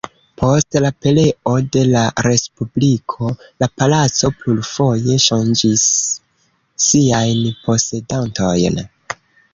Post la pereo de la respubliko la palaco plurfoje ŝanĝis siajn posedantojn.